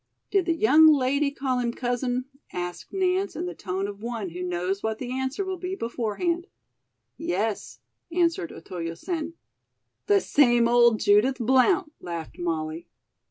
"Did the young lady call him 'Cousin'?" asked Nance in the tone of one who knows what the answer will be beforehand. "Yes," answered Otoyo Sen. "The same old Judith Blount," laughed Molly.